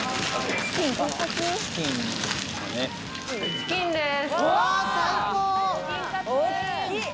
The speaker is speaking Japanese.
チキンです。